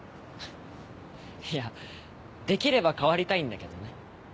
いやできれば変わりたいんだけどね。